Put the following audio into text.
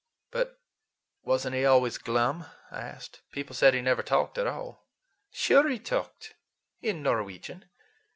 "But was n't he always glum?" I asked. "People said he never talked at all." "Sure he talked, in Norwegian.